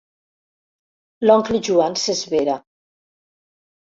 L'oncle Joan s'esvera.